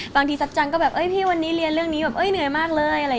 บางทีทรัพย์จังก็แบบพี่วันนี้เรียนเรื่องนี้แบบเหนื่อยมากเลย